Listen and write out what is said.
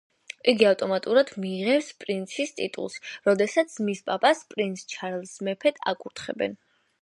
იგი ავტომატურად მიიღებს პრინცის ტიტულს, როდესაც მის პაპას, პრინც ჩარლზს მეფედ აკურთხებენ.